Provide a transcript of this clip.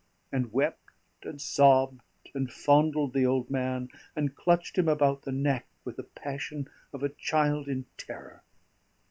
and wept and sobbed, and fondled the old man, and clutched him about the neck, with a passion of a child in terror.